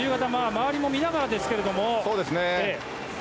周りを見ながらですが。